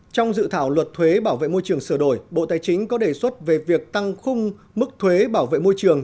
trong dự thảo luật thuế bảo vệ môi trường sửa đổi bộ tài chính có đề xuất về việc tăng khung mức thuế bảo vệ môi trường